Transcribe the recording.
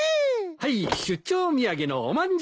はい出張土産のおまんじゅう。